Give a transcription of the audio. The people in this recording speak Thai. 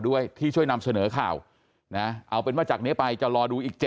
ด้วยที่ช่วยนำเสนอข่าวนะเอาเป็นว่าจากนี้ไปจะรอดูอีก๗